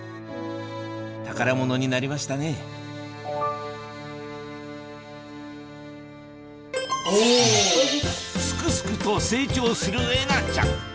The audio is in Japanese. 宝物になりましたねすくすくと成長するえなちゃん